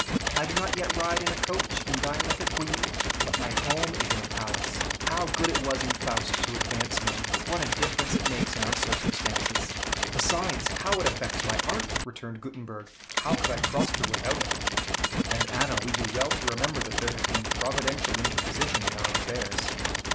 I do not yet ride in a coach, and dine like a queen, but my home is in a palace. How good it was in Faust to advance money! What a difference it makes in our circumstances!" "Besides, how it affects my art!" returned Gutenberg. "How could I prosper without it? And, Anna, we do well to remember that there has been providential interposition in our affairs.